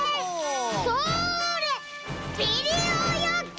それビリおよぎ！